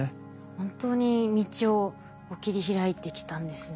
本当に道を切り開いてきたんですね。